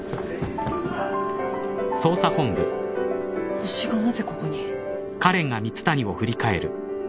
ホシがなぜここに？